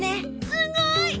すごい！